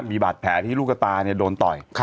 มีบาดแผลที่ลูกตาโดนต่อย